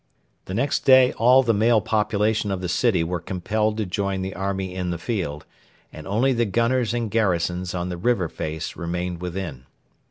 The next day all the male population of the city were compelled to join the army in the field, and only the gunners and garrisons on the river face remained within.